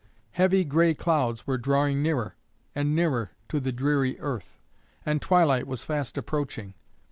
Heavy gray clouds were drawing nearer and nearer to the dreary earth, and twilight was fast approaching.